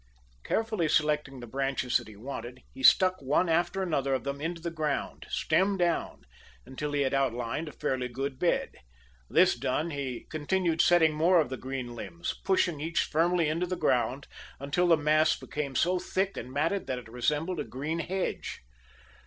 Carefully selecting the branches that he wanted, he stuck one after another of them into the ground, stem down, until he had outlined a fairly good bed. This done, he continued setting more of the green limbs, pushing each firmly into the ground until the mass became so thick and matted that it resembled a green hedge.